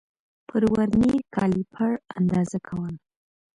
پر ورنیر کالیپر اندازه کول